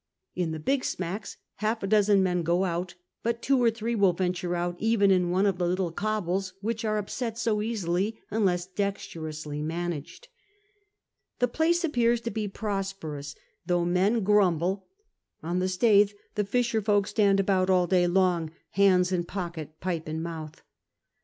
In the big smacks half a dozen men go out, but two or three will venture out even in one of the little cobles which arc upset so easily unless dexterously managed. The place appears to be prosperous, though men 8 CAPTAIN COON nr A I*. grumble : on the Staithe the fisher folk stand about all day long, hands in pocket, pipe in mouth.